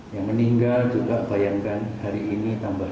yang meninggal juga bayangkan hari ini tambah dua puluh dua